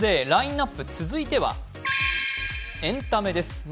ラインナップ、続いてはエンタメです。